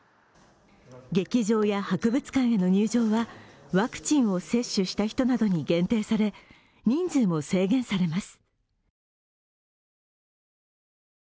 劇場や博物館への入場はワクチンを接種した人などに限定され人数も制限されます。